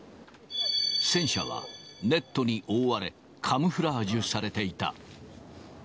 戦車は、ネットに覆われカムフラージュされていた。